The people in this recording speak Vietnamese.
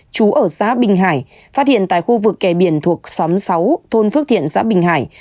chú ở xã bình hải phát hiện tại khu vực kè biển thuộc xóm sáu thôn phước thiện xã bình hải